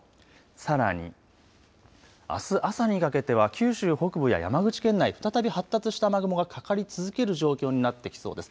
さらにあす朝にかけては九州北部や山口県内、再び発達した雨雲がかかり続ける状況になってきそうです。